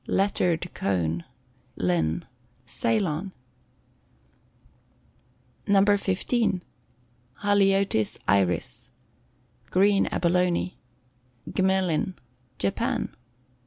Lettered Cone. Linn. Ceylon. No. 15. Haliotis Iris. Green Abalone. Gmelin. Japan.